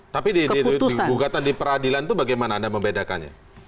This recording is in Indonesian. tapi di gugatan di peradilan itu bagaimana anda membedakannya